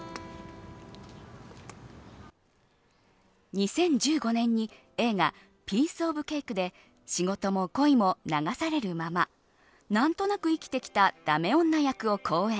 ２０１５年に映画、ピースオブケイクで仕事も恋も流されるまま何となく生きてきたダメ女役を好演。